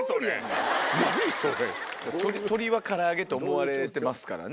鶏は唐揚げって思われてますからね。